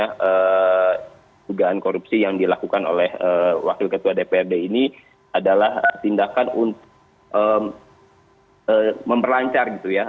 kegagalan korupsi yang dilakukan oleh wakil ketua dprd ini adalah tindakan untuk memperlancar